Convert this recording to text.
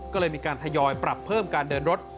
ก็เลยมีการทยอยปรับเพิ่มการเดินรถ